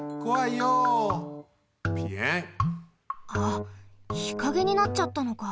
あっ日陰になっちゃったのか。